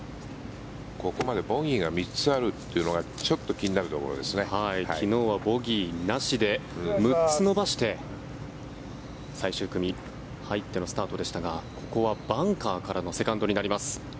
ここまでボギーが３つあるというのが昨日はボギーなしで６つ伸ばして最終組入ってのスタートでしたがここはバンカーからのセカンドになります。